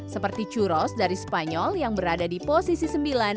seperti churos dari spanyol yang berada di posisi sembilan